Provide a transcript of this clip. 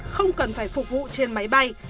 không cần phải phục vụ trên máy bay